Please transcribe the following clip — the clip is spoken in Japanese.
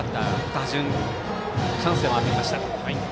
打順チャンスで回ってきました。